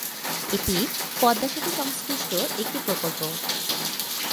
এটি পদ্মা সেতু সংশ্লিষ্ট একটি প্রকল্প।